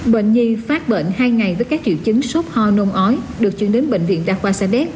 bệnh nhi phát bệnh hai ngày với các triệu chứng sốt ho nôn ói được chuyển đến bệnh viện đa khoa sadek